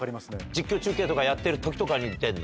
実況中継とかやってる時とかに出るの？